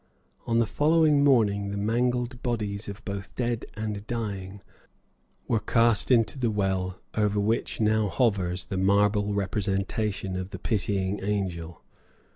On the following morning "the mangled bodies of both dead and dying" were cast into the well over which now hovers the marble representation of the Pitying Angel.